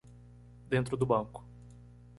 Dentro do banco